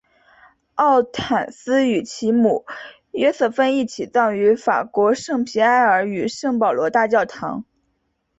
奥坦丝与其母约瑟芬一起葬于法国圣皮埃尔与圣保罗大教堂。